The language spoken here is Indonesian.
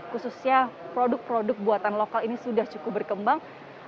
khususnya produk produk buatan lokal ini sudah cukup berkembang